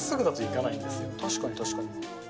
確かに、確かに。